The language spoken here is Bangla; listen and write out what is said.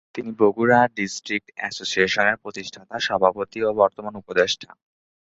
তিনি বগুড়া ডিস্ট্রিক্ট অ্যাসোসিয়েশনের প্রতিষ্ঠাতা সভাপতি ও বর্তমান উপদেষ্টা।